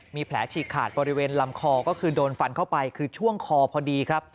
มีแผลฉีกขาดบริเวณลำคอก็คือโดนฟันเข้าไปคือช่วงคอพอดีครับ